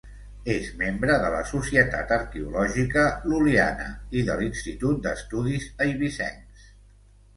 És membre de la Societat Arqueològica Lul·liana i de l'Institut d'Estudis Eivissencs.